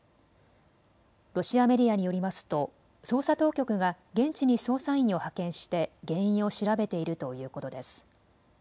ロシアメディアによりますと捜査当局が現地に捜査員を派遣して原因を調べているということです。